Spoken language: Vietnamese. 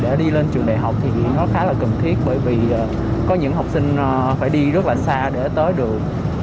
để đi lên trường đại học thì nó khá là cần thiết bởi vì có những học sinh phải đi rất là xa để tới đường